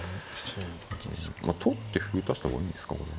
取って歩打たした方がいいんですかこれ。